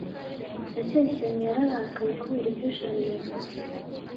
ndacyayisenga yararakaye kubera ibyo jabo yavuze